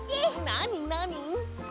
なになに？